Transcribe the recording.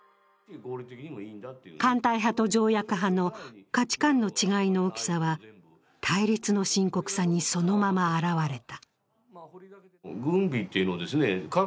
艦隊派と条約派の価値観の違いの大きさは対立の深刻さにそのまま表れた。